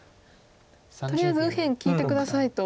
とりあえず右辺利いて下さいと。